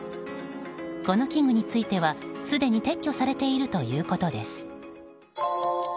この器具については、すでに撤去されているということです。